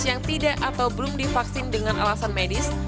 yang tidak atau belum divaksin dengan alasan medis